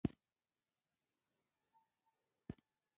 ځینې محصلین د علمي فعالیتونو برخه اخلي.